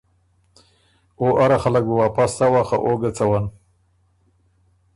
او اره خلق بُو واپس څوا خه او ګۀ څوّن۔